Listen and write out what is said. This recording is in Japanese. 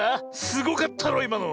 すごかったろいまの。